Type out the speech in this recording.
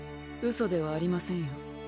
ウソではありませんよ。